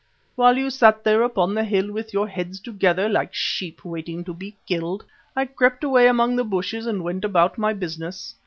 While you sat there upon the hill with your heads together, like sheep waiting to be killed, I crept away among the bushes and went about my business.